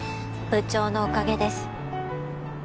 部長のおかげです。